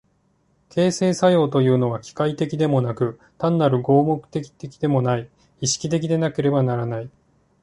形成作用というのは機械的でもなく単なる合目的的でもない、意識的でなければならない。